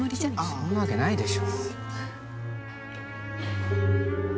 そんなわけないでしょ。